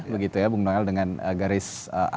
begitu ya bung novel dengan garis